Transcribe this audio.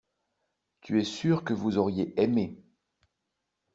Tu es sûr que vous auriez aimé.